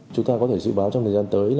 chúng ta có thể dự báo trong thời gian tới